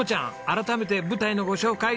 改めて舞台のご紹介